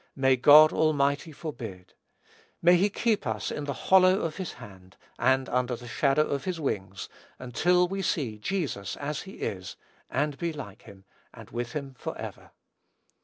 May God Almighty forbid! May he keep us in the hollow of his hand, and under the shadow of his wings, until we see Jesus as he is, and be like him, and with him forever.